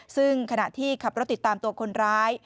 ซึ่งขณะที่ขับรถติดตามตัวคนร้าย